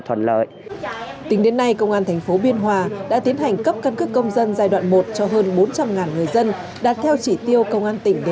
tính đến nay công an thành phố biên hòa đã tiến hành cấp căn cước công dân